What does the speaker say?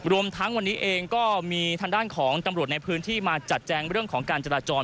รวมทั้งวันนี้เองก็มีทางด้านของตำรวจในพื้นที่มาจัดแจงเรื่องของการจราจร